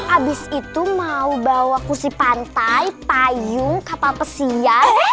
abis itu mau bawa kursi pantai payung kapal pesiar